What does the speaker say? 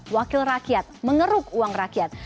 wakil rakyat mengeruk uang rakyat